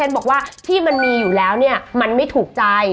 บอกว่าที่มันมีอยู่แล้วเนี่ยมันไม่ถูกใจ